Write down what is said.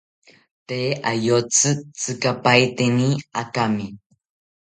Tee ayotzi tzikapaeteni akami